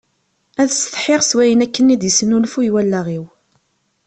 Ad setḥiɣ s wayen akken d-yesnlfuy wallaɣ-iw.